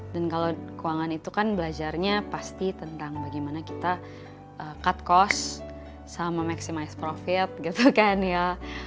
dan kalau keuangan itu kan belajarnya pasti tentang bagaimana kita cut cost sama maximize profit gitu kan ya